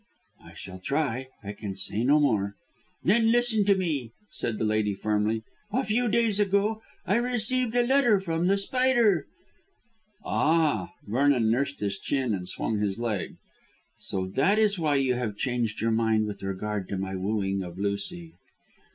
"I shall try; I can say no more." "Then listen to me," said the lady firmly. "A few days ago I received a letter from The Spider." "Ah!" Vernon nursed his chin and swung his leg. "So that is why you have changed your mind with regard to my wooing of Lucy?"